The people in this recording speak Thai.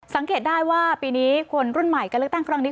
สังเกตได้ว่าปีนี้คนรุ่นใหม่การเลือกตั้งครั้งนี้